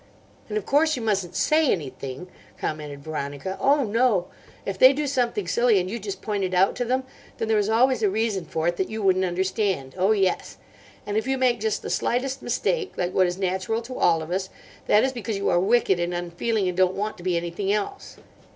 "And of course you mustn't say anything," commented Veronica. "Oh, no! If they do something silly and you just point it out to them, then there is always a reason for it that you wouldn't understand. Oh, yes! And if you make just the slightest mistake, like what is natural to all of us, that is because you are wicked and unfeeling and don't want to be anything else."